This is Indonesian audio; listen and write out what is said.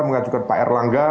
mengajukan pak erlangga